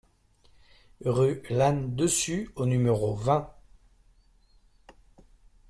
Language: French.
Rue Lanne-Dessus au numéro vingt